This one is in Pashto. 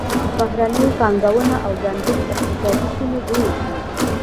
بهرنۍ پانګونه او ځانګړې اقتصادي سیمې جوړې شوې.